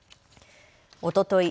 おととい